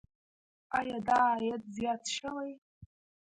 آیا دا عاید زیات شوی؟